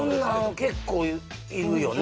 結構いるよね？